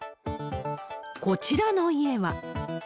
こちらの家は。